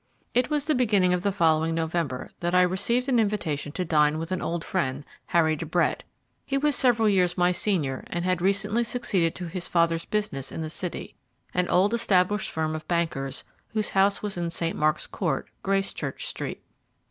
It was the beginning of the following November that I received an invitation to dine with an old friend, Harry de Brett. He was several years my senior, and had recently succeeded to his father's business in the City an old established firm of bankers, whose house was in St. Mark's Court, Gracechurch Street.